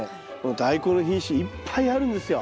ダイコンの品種いっぱいあるんですよ。